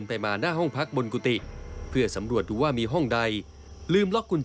อยู่ในชั้นล่างก่อนที่จะใช้กุญแจผีให้ประตูที่อยู่ห้องกลางเฉพาะหลายภายใจในตัวของเรายนผสมฟาร์ไกลอะไรนั้น